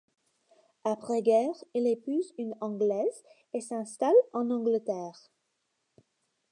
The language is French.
Après guerre, il épouse une Anglaise et s'installe en Angleterre.